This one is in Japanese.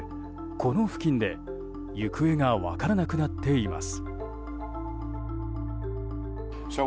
この付近で行方が分からなくなっています。